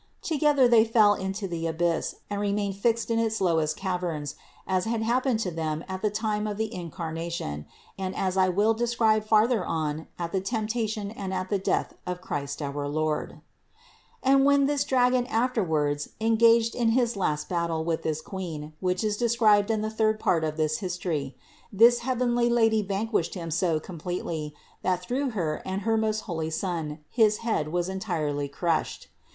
Together they fell into the abyss and remained fixed in its lowest caverns, as had happened to them at the time of the Incarnation, and as I will describe further on at the temptation and at the death of Christ our Lord (No. 130, 999, 1421). And when this dragon afterwards engaged in his last battle with this Queen, which is described in the third part of this history (Part III, 452 seq.), this heavenly Lady van quished him so completely that through Her and her most holy Son his head was entirely crushed.